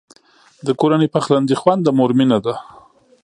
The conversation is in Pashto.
د کورني پخلنځي خوند د مور مینه ده.